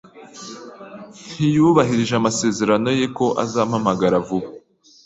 Ntiyubahirije amasezerano ye ko azampamagara vuba.